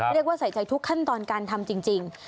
เรียกว่าใส่ใจทุกขั้นตอนการทำจริง